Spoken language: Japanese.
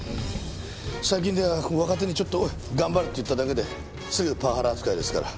最近では若手にちょっと頑張れって言っただけですぐパワハラ扱いですから。